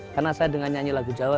karena saya dengan nyanyi lagu jawa